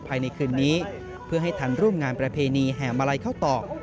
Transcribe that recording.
ภายในคืนนี้เพื่อให้ทันร่วมงานประเพณีแห่มาลัยเข้าตอก